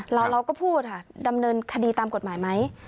เราก็พูดค่ะดำเนินคดีตามกฎหมายไหม